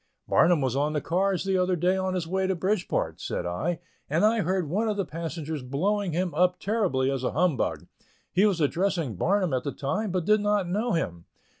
"Barnum was on the cars the other day, on his way to Bridgeport," said I, "and I heard one of the passengers blowing him up terribly as a humbug. He was addressing Barnum at the time, but did not know him.